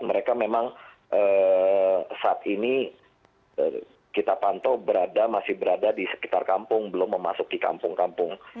mereka memang saat ini kita pantau masih berada di sekitar kampung belum memasuki kampung kampung